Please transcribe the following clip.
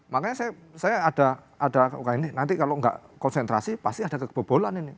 makanya saya ada nanti kalau nggak konsentrasi pasti ada kebebolan ini